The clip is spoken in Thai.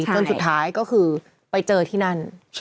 จนสุดท้ายก็คือไปเจอที่นั่น